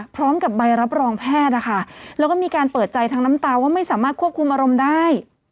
พร้อมกับใบรับรองแพทย์นะคะแล้วก็มีการเปิดใจทั้งน้ำตาว่าไม่สามารถควบคุมอารมณ์ได้